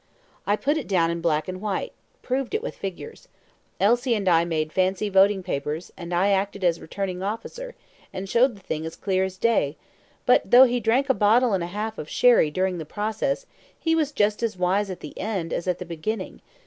I put it down in black and white proved it with figures. Elsie and I made fancy voting papers, and I acted as returning officer, and showed the thing as clear as day; but though he drank a bottle and a half of sherry during the process, he was just as wise at the end as at the beginning.